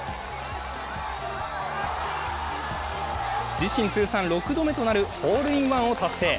自身通算６度目となるホールインワンを達成。